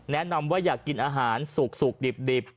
แนะนำว่าอยากกินอาหารสุกดิบ